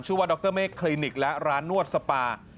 ว่าดรเมฆคลินิกและร้านนวดสปา